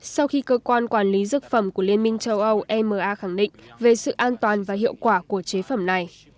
sau khi cơ quan quản lý dược phẩm của liên minh châu âu ema khẳng định về sự an toàn và hiệu quả của chế phẩm này